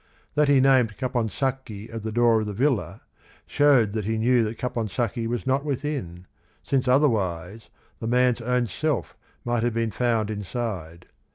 That he named Caponsacchi at the door oFTne villa showed he knew that Caponsacchi was not within, since otherwise "The man's own self might have been found inside."